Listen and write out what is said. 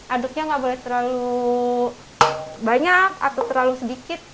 aduknya nggak boleh terlalu banyak atau terlalu sedikit